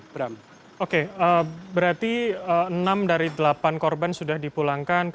berarti enam dari delapan korban sudah dipulangkan